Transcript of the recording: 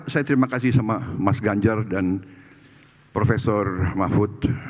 saya terima kasih sama mas ganjar dan prof mahfud